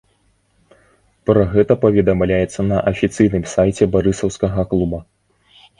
Пра гэта паведамляецца на афіцыйным сайце барысаўскага клуба.